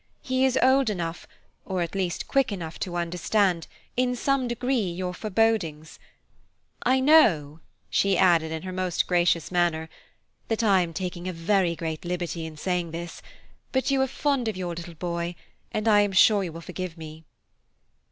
He is old enough, or, at least, quick enough to understand, in some degree, your forebodings. I know," she added, in her most gracious manner, "that I am taking a very great liberty in saying this; but you are very fond of your little boy, and I am sure you will forgive me."